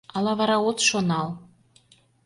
Але вара от шонал?